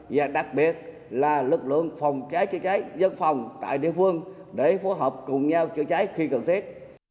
và đặc biệt là lực lượng phòng cháy chữa cháy dân phòng tại địa phương để phối hợp cùng nhau chữa cháy khi cần thiết